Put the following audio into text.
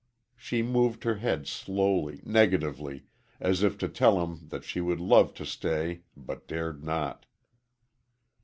She moved her head slowly, negatively, as if to tell him that she would love to stay but dared not.